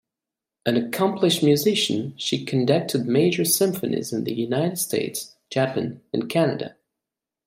An accomplished musician, she conducted major symphonies in the United States, Japan, and Canada.